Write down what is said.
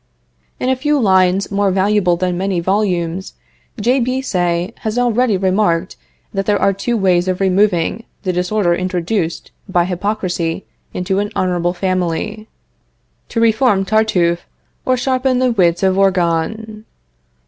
In a few lines, more valuable than many volumes, J.B. Say has already remarked that there are two ways of removing the disorder introduced by hypocrisy into an honorable family; to reform Tartuffe, or sharpen the wits of Orgon.